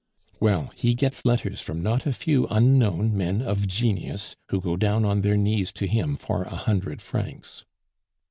Well, he gets letters from not a few unknown men of genius who go down on their knees to him for a hundred francs."